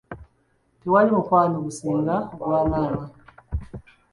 Tewali mukwano gusinga ogwa maama.